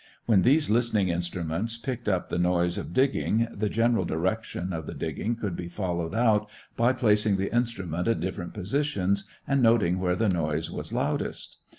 When these listening instruments picked up the noise of digging, the general direction of the digging could be followed out by placing the instrument at different positions and noting where the noise was loudest.